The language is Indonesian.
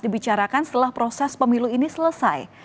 dibicarakan setelah proses pemilu ini selesai